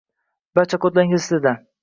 Barcha kodlar ingliz tilida